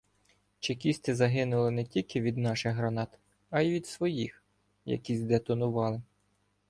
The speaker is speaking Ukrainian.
Чекісти загинули не тільки від наших гранат, а й від своїх, які здетонували.